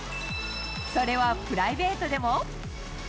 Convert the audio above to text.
それはプライベートでも。